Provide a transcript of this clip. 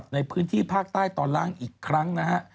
ในพื้นที่ภาคใต้ตอนล่างอีกครั้งนะฮะ